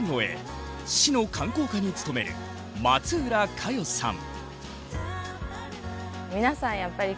市の観光課に勤める松浦佳世さん。